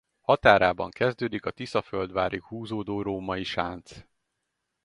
Határában kezdődik a Tiszaföldvárig húzódó római sánc.